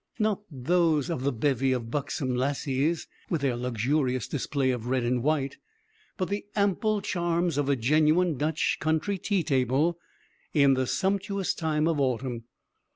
Not those of the bevy of buxom lasses, with their luxurious display of red and white, but the ample charms of a genuine Dutch country tea table, in the sumptuous time of autumn.